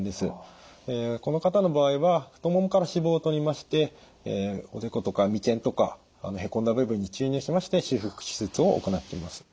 この方の場合は太ももから脂肪をとりましておでことか眉間とかへこんだ部分に注入しまして修復手術を行っています。